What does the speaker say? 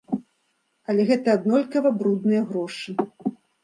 Але гэта аднолькава брудныя грошы.